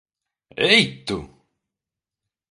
Ei, tu!